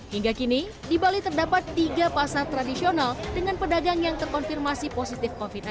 hingga kini di bali terdapat tiga pasar tradisional dengan pedagang yang terkonfirmasi positif covid sembilan belas